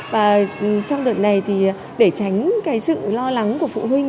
và trong đợt này thì để tránh cái sự lo lắng của phụ huynh